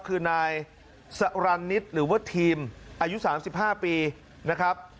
คือนายสรรนิดหรือว่าทีมอายุ๓๕ปีนะครับ